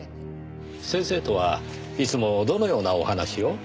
先生とはいつもどのようなお話を？